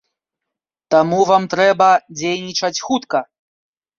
Таму вам трэба дзейнічаць хутка.